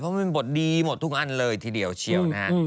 เพราะมันเป็นบทดีหมดทุกอันเลยทีเดียวเชียวนะฮะ